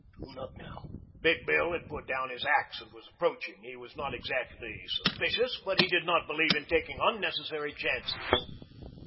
Pst! Tune up now." Big Bill had put down his axe and was approaching. He was not exactly suspicious, but he did not believe in taking unnecessary chances.